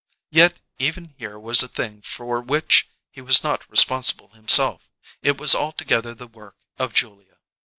Yet even here was a thing for which he was not responsible himself; it was altogether the work of Julia.